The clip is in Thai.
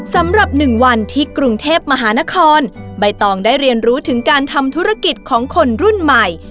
สำหรับ๑วันที่กรุงเทพมหานครใบตองได้เรียนรู้ถึงการทำธุรกิจของคนรุ่นใหม่